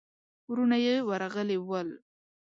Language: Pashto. وروڼه يې ورغلي ول.